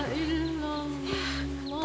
tahu seperti itu